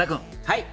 はい。